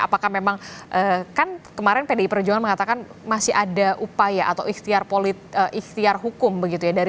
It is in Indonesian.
apakah memang kan kemarin pdi perjuangan mengatakan masih ada upaya atau ikhtiar hukum begitu ya